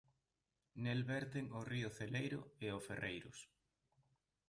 Nel verten o río Celeiro e o Ferreiros.